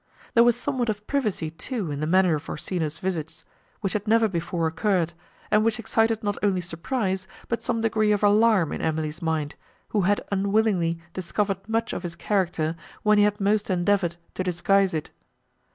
There was somewhat of privacy, too, in the manner of Orsino's visits, which had never before occurred, and which excited not only surprise, but some degree of alarm in Emily's mind, who had unwillingly discovered much of his character when he had most endeavoured to disguise it.